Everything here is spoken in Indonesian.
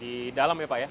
di dalam ya pak ya